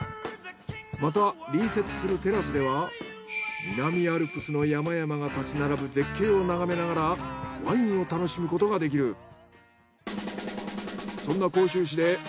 また隣接するテラスでは南アルプスの山々が立ち並ぶ絶景を眺めながらワインを楽しむことができる。